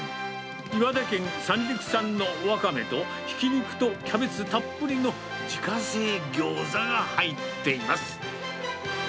岩手県三陸産のワカメと、ひき肉とキャベツたっぷりの自家製ギョーザが入っています。